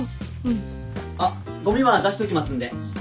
あっごみは出しときますんで。